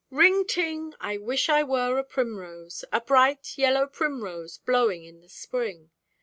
RING TING! I wish I were a Primrose, A bright yellow Primrose blowing in the Spring!